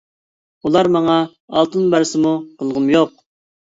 ئۇلار ماڭا ئالتۇن بەرسىمۇ قىلغۇم يوق.